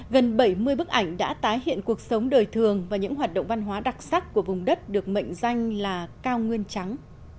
gần bảy mươi bức ảnh đã tái hiện cuộc sống đời thường và những hoạt động văn hóa đặc sắc của vùng đất được mệnh danh là cao nguyên trắng